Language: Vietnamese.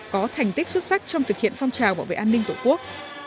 có thành tích xuất sắc trong thực hiện phong trào bảo vệ an ninh tổ quốc